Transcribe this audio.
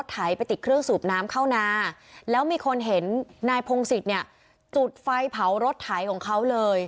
ถ้าครอบครอบครัว